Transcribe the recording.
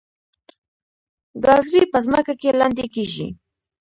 ګازرې په ځمکه کې لاندې کیږي